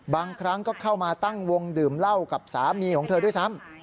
บางครั้งก็เข้ามาตั้งวงดื่มเหล้ากับสามีของเธอด้วยซ้ำ